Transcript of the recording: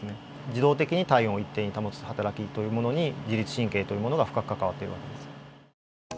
自動的に体温を一定に保つはたらきというものに自律神経というものが深く関わっている訳です。